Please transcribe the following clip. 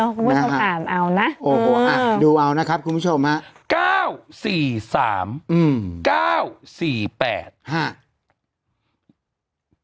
คุณผู้ชมอ่านเอานะดูเอานะครับคุณผู้ชมครับ